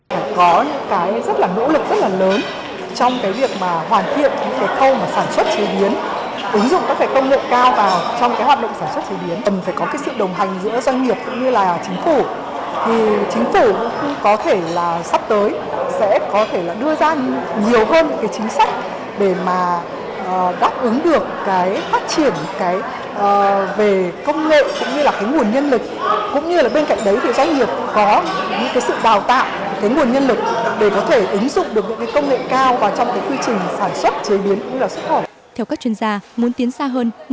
phải có những nỗ lực rất là lớn trong việc hoàn thiện những khâu sản xuất chế biến